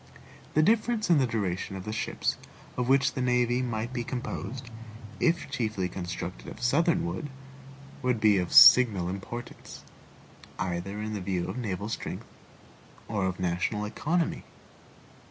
The difference in the duration of the ships of which the navy might be composed, if chiefly constructed of Southern wood, would be of signal importance, either in the view of naval strength or of national economy.